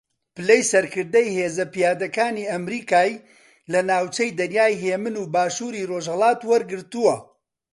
پلەی سەرکردەی ھێزە پیادەکانی ئەمریکای لە ناوچەی دەریای ھێمن و باشووری ڕۆژھەڵات وەرگرتووە